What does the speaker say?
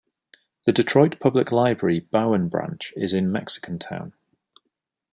The Detroit Public Library Bowen Branch is in Mexicantown.